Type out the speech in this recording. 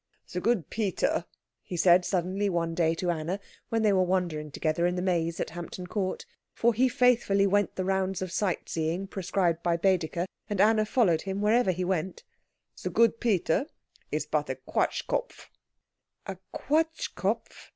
"The good Peter," he said suddenly one day to Anna when they were wandering together in the maze at Hampton Court for he faithfully went the rounds of sightseeing prescribed by Baedeker, and Anna followed him wherever he went "the good Peter is but a Quatschkopf." "A Quatschkopf?"